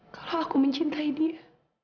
kalau aku mencintai dia